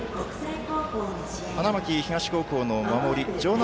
花巻東高校の守り場内